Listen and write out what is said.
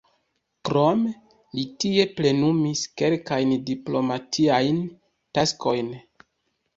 Krome li tie plenumis kelkajn diplomatiajn taskojn.